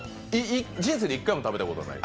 人生で１回も食べたことない？